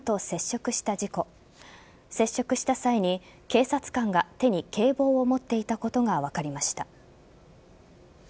接触した際に警察官が手に警棒を持っていたことが分かりました。